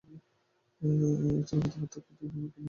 এ আচরণগত পার্থক্য দিক অভিমুখী নির্বাচনের ফল।